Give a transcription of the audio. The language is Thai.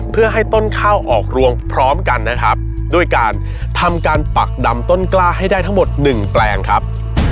เพื่อให้ต้นข้าวออกรวงพร้อมกันนะครับด้วยการทำการปักดำต้นกล้าให้ได้ทั้งหมดหนึ่งแปลงครับ